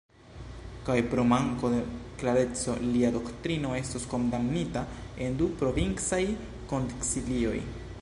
Kaj pro manko de klareco lia doktrino estos kondamnita en du provincaj koncilioj.